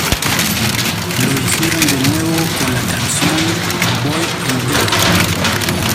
Lo hicieron de nuevo con la canción "Boy and Girl".